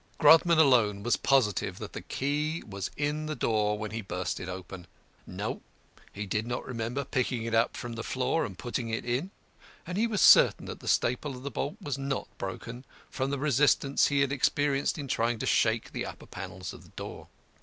Grodman alone was positive that the key was in the door when he burst it open. No, he did not remember picking it up from the floor and putting it in. And he was certain that the staple of the bolt was not broken, from the resistance he experienced in trying to shake the upper panels of the door.